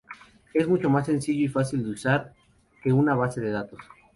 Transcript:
Es mucho más sencillo y fácil de usar que una base de datos.